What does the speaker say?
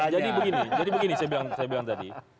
jadi begini jadi begini saya bilang tadi